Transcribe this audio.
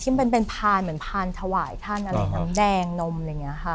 มันเป็นพานเหมือนพานถวายท่านอะไรน้ำแดงนมอะไรอย่างนี้ค่ะ